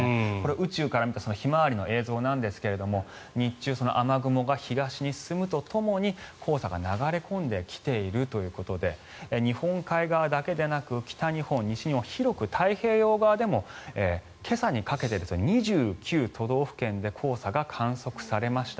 宇宙から見たひまわりの映像なんですが日中、雨雲が東に進むとともに黄砂が流れ込んできているということで日本海側だけでなく北日本、西日本広く太平洋側でも今朝にかけて２９都道府県で黄砂が観測されました。